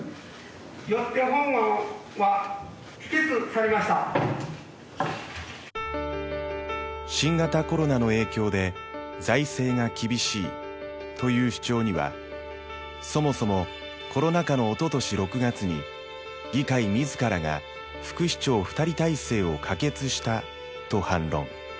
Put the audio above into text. よって「新型コロナの影響で財政が厳しい」という主張には「そもそもコロナ禍のおととし６月に議会自らが副市長２人体制を可決した」と反論。